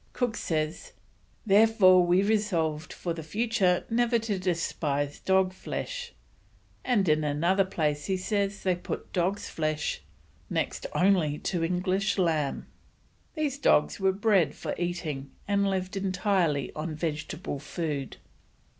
Cook says: "Therefore we resolved for the future never to despise dog flesh"; and in another place he says they put dog's flesh "next only to English lamb." These dogs were bred for eating, and lived entirely on vegetable food.